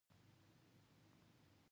زمري خپل ځان په پنجو وواهه.